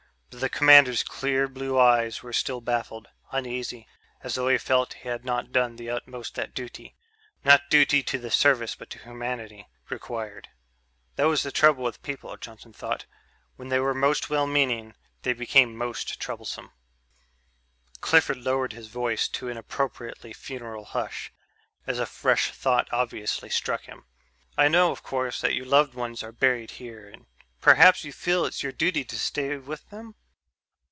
But the commander's clear blue eyes were still baffled, uneasy, as though he felt he had not done the utmost that duty not duty to the service but to humanity required. That was the trouble with people, Johnson thought: when they were most well meaning they became most troublesome. Clifford lowered his voice to an appropriately funeral hush, as a fresh thought obviously struck him. "I know, of course, that your loved ones are buried here and perhaps you feel it's your duty to stay with them...?"